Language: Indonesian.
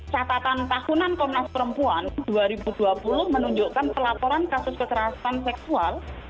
catatan tahunan komnas perempuan dua ribu dua puluh menunjukkan pelaporan kasus kekerasan seksual